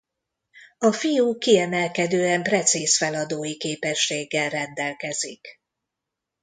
A fiú kiemelkedően precíz feladói képességgel rendelkezik.